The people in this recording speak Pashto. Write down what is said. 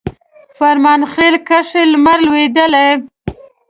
فرمانخیل کښي لمر لوېدلی